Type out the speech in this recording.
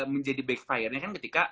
menjadi backfire nya kan ketika